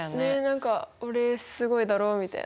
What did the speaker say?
何か俺すごいだろうみたいな。